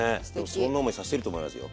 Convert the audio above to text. そんな思いさしてると思いますよ。